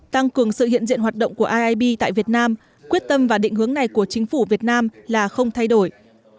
tăng cường sự hiện diện hoạt động của iib tại việt nam quyết tâm và định hướng này của chính phủ việt nam là không thay đổi